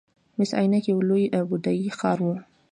مس عینک یو لوی بودايي ښار و